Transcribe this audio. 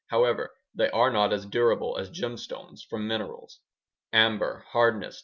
However, they are not as durable as gemstones from minerals: Amber (hardness: 2 2.